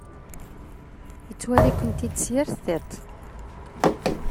Yettwali-kent-id s yir tiṭ.